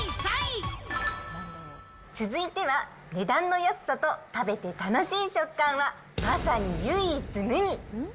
続いては、値段の安さと食べて楽しい食感は、まさに唯一無二。